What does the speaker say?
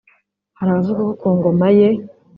Hari abavuga ko ku ngoma ye